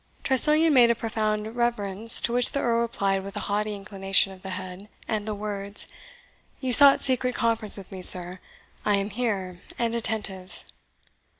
Tressilian made a profound reverence, to which the Earl replied with a haughty inclination of the head, and the words, "You sought secret conference with me, sir; I am here, and attentive."